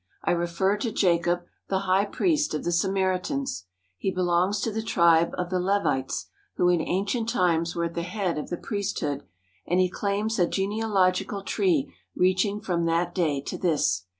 I refer to Jacob, the high priest of the Samaritans. He be longs to the tribe of the Levites, who in ancient times were at the head of the priesthood, and he claims a genealogical tree reaching from that day to this.